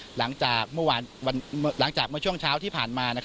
หลังจากเมื่อช่วงเช้าที่ผ่านมา